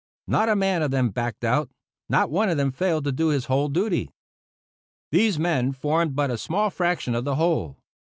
Not a man of them backed out; not one of them failed to do his whole duty. These men formed but a small fraction of the whole.